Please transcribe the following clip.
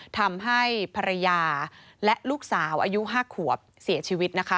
ทำให้ภรรยาและลูกสาวอายุ๕ขวบเสียชีวิตนะคะ